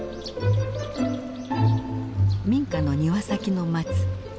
民家の庭先の松。